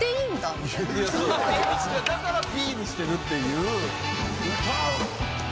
だから「ピー」にしてるっていう。